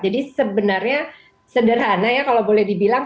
jadi sebenarnya sederhana ya kalau boleh dibilang